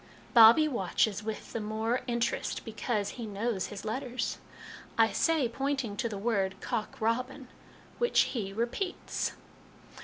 Bobbie watches with the more interest because he knows his letters. I say, pointing to the word, ' cock robin,' which he repeats.